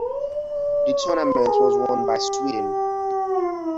The tournament was won by Sweden.